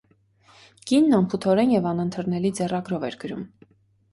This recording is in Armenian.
Կինն անփութորեն ու անընթեռնելի ձեռագրով էր գրում։